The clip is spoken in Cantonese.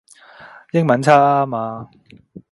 英文差吖嘛